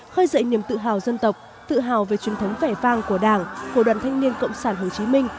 khơi dậy niềm tự hào dân tộc tự hào về truyền thống vẻ vang của đảng của đoàn thanh niên cộng sản hồ chí minh